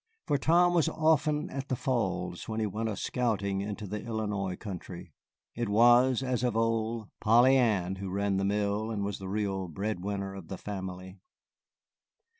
For Tom was often at the Falls when he went a scouting into the Illinois country. It was, as of old, Polly Ann who ran the mill and was the real bread winner of the family.